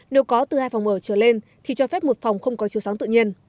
nếu có từ hai phòng ở trở lên thì cho phép một phòng không có chiều sáng tự nhiên